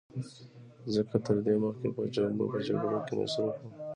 ځکه تر دې مخکې به په جګړو کې مصروف و